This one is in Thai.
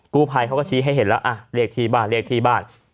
กู้ภัยเขาก็ชี้ให้เห็นแล้วอ่ะเรียกที่บ้านเรียกที่บ้าน